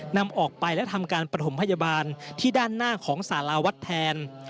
นำออกไปและทำการประถมพยาบาลที่ด้านหน้าของสาราวัดแทน